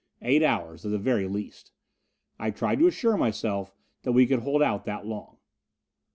Eight hours at the very least. I tried to assure myself that we could hold out that long....